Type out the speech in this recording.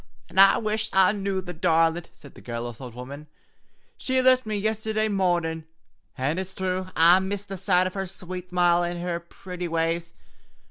"Och! An' I wish I knew, the darlint!" said the garrulous old woman. "She lift me yistherday marnin', an' it's thrue I miss the sight o' her sweet smile an' her pretty ways.